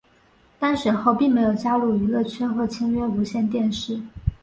当选后并没有加入娱乐圈或签约无线电视。